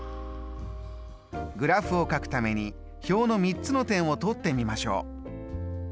グラフをかくために表の３つの点を取ってみましょう。